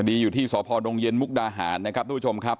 อยู่ที่สพดงเย็นมุกดาหารนะครับทุกผู้ชมครับ